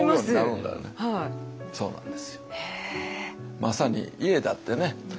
まさに家だってね